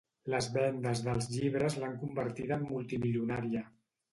Les vendes dels llibres l'han convertida en multimilionària.